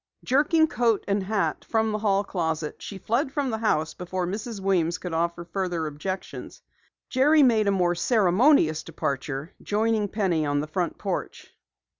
Jerking coat and hat from the hall closet, she fled from the house before Mrs. Weems could offer further objections. Jerry made a more ceremonious departure, joining Penny on the front porch.